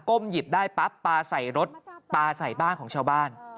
หยิบได้ปั๊บปลาใส่รถปลาใส่บ้านของชาวบ้าน